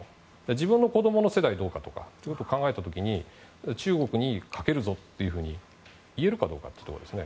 自分の子供の世代がどうかとそういうことを考えた時に中国にかけるぞといえるかどうかというところですね。